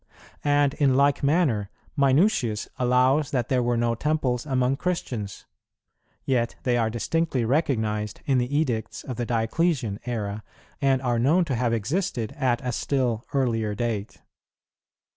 And, in like manner, Minucius allows that there were no temples among Christians; yet they are distinctly recognized in the edicts of the Dioclesian era, and are known to have existed at a still earlier date.